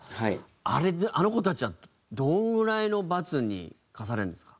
あれであの子たちはどのぐらいの罰に科されるんですか？